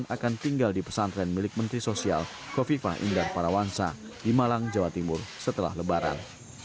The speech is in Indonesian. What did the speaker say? akan tinggal di pesantren milik menteri sosial kofifa indar parawansa di malang jawa timur setelah lebaran